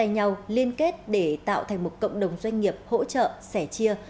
nhau liên kết để tạo thành một cộng đồng doanh nghiệp hỗ trợ sẻ chia